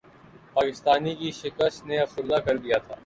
پاکستان کی شکست نے افسردہ کردیا تھا